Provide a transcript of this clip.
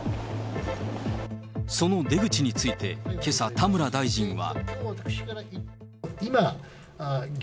その出口について、けさ、田村大臣は。